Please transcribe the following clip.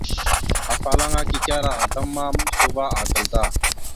Afalaŋa kikera azlam ma, maɓəsa uvah agal da.